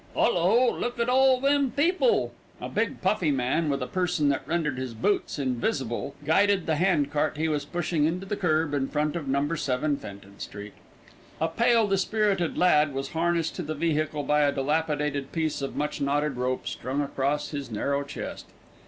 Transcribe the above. "'Ullo, look at all them people." A big, puffy man with a person that rendered his boots invisible, guided the hand cart he was pushing into the kerb in front of No. 7 Fenton Street. A pale, dispirited lad was harnessed to the vehicle by a dilapidated piece of much knotted rope strung across his narrow chest.